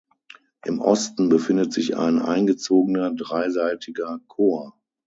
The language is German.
Im Osten befindet sich ein eingezogener dreiseitiger Chor.